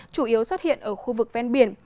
chủ yếu xuất hiện ở khu vực ven biển